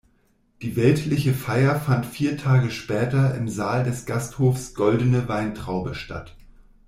Die weltliche Feier fand vier Tage später im Saal des Gasthofs Goldene Weintraube statt.